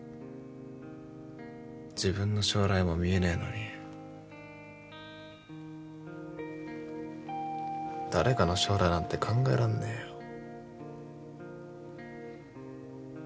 自分の将来も見えねえのに誰かの将来なんて考えらんねえよ。